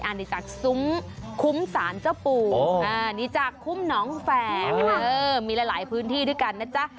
อันนี้จากซุ้มคุ้มสารเจ้าปู่นี่จากคุ้มหนองแฝกมีหลายพื้นที่ด้วยกันนะจ๊ะ